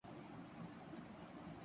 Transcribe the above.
magazine shoot کے دوران جنسی استحصال کیا گیا